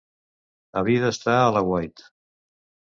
Havia d'estar a l'aguait.